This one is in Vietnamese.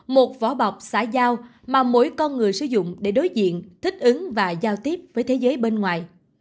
một vỏ bọc xã giao mà mỗi con người sử dụng để đối diện thích ứng và giao tiếp với thế giới bên ngoài